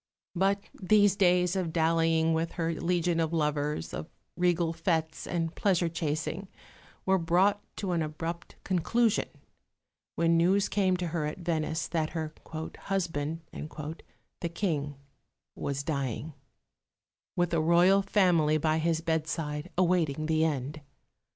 '" But these days of dallying with her legion of lovers, of regal fêtes and pleasure chasing, were brought to an abrupt conclusion when news came to her at Venice that her "husband," the King, was dying, with the Royal family by his bedside awaiting the end.